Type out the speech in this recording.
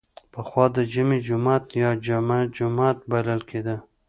پخوا د جمعې جومات یا جمعه جومات بلل کیده.